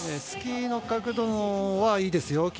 スキーの角度はいいですよ。